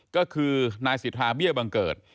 ก็คือนายสิทธาเบี้ยบังเกิด